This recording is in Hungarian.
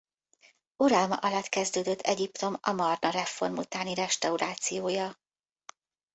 Uralma alatt kezdődött Egyiptom Amarna-reform utáni restaurációja.